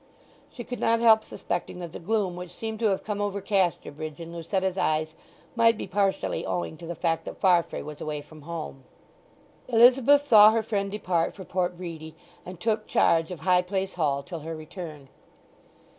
She could not help suspecting that the gloom which seemed to have come over Casterbridge in Lucetta's eyes might be partially owing to the fact that Farfrae was away from home. Elizabeth saw her friend depart for Port Bredy, and took charge of High Place Hall till her return.